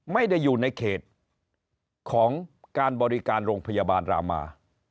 ไม่ได้อยู่ในเขตของการบริการโรงพยาบาลรามา